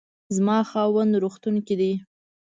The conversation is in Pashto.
زما خاوند روغتون کې دی